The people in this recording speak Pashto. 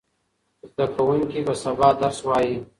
زده کوونکي به سبا درس وایي.